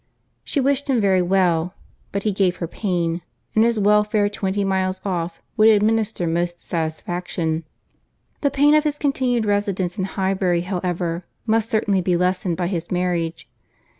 She wished him very well; but he gave her pain, and his welfare twenty miles off would administer most satisfaction. The pain of his continued residence in Highbury, however, must certainly be lessened by his marriage.